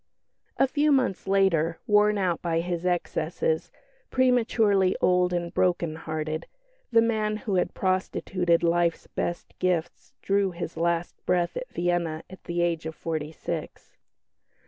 A few months later, worn out by his excesses, prematurely old and broken hearted, the man who had prostituted life's best gifts drew his last breath at Vienna at the age of forty six.